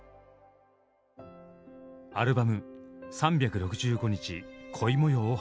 アルバム「３６５日恋もよう」を発表。